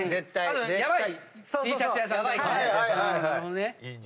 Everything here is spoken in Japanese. なるほどね。